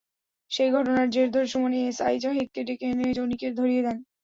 সেই ঘটনার জের ধরে সুমন এসআই জাহিদকে ডেকে এনে জনিকে ধরিয়ে দেন।